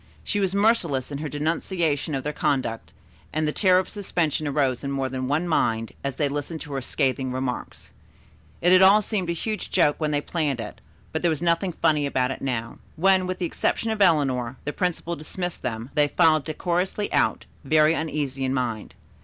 She was merciless in her denunciation of their conduct, and the terror of suspension arose in more than one mind, as they listened to her scathing remarks. It had all seemed a huge joke when they planned it, but there was nothing funny about it now. When, with the exception of Eleanor, the principal dismissed them, they filed decorously out, very uneasy in mind.